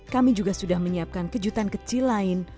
kami juga sudah menyiapkan kejutan kecil lain